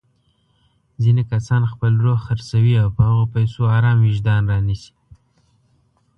ځيني کسان خپل روح خرڅوي او په هغو پيسو ارام وجدان رانيسي.